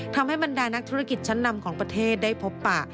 บรรดานักธุรกิจชั้นนำของประเทศได้พบปะ